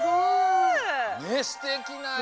ねっすてきなえ！